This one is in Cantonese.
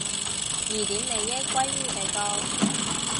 疑點利益歸於被告